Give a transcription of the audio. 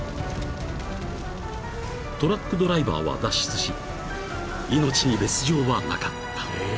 ［トラックドライバーは脱出し命に別条はなかった］